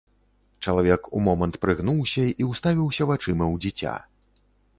Чалавек умомант прыгнуўся і ўставіўся вачыма ў дзіця.